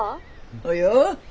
およ。